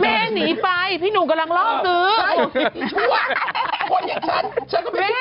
เม้นหนีไปพี่หนูกำลังลอดซื้อใช่ชั่วคนอย่างฉันฉันก็ไม่เป็นพิกัด